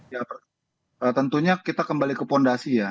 ya tentunya kita kembali ke fondasi ya